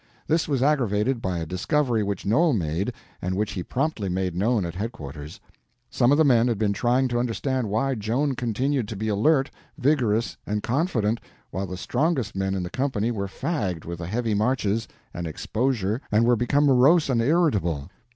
This was aggravated by a discovery which Noel made, and which he promptly made known at headquarters. Some of the men had been trying to understand why Joan continued to be alert, vigorous, and confident while the strongest men in the company were fagged with the heavy marches and exposure and were become morose and irritable.